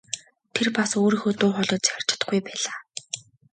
Тэр бас өөрийнхөө дуу хоолойг захирч чадахгүй байлаа.